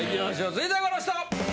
続いてはこの人！